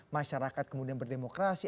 masyarakat kemudian berdemokrasi